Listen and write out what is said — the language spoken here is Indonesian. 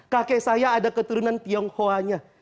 kakek saya ada keturunan tionghoa nya